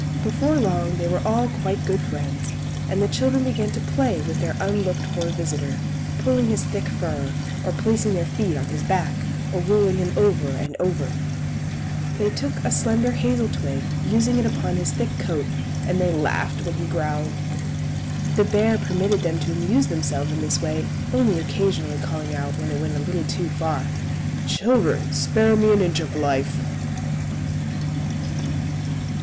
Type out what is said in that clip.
Before long they were all quite good friends, and the children began to play with their unlooked for visitor, pulling his thick fur, or placing their feet on his back, or rolling him over and over. Then they took a slender hazel twig, using it upon his thick coat, and they laughed when he growled. The bear permitted them to amuse themselves in this way, only occasionally calling out, when it went a little too far, "Children, spare me an inch of life!"